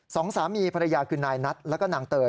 สองสามีภรรยาคือนายนัทแล้วก็นางเตย